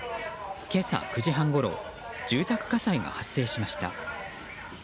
今朝９時半ごろ住宅火災が発生しました。